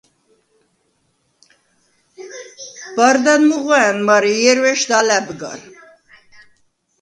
ბარდან მუღვა̄̈ნ, მარე ჲერვეშდ ალა̈ბ გარ.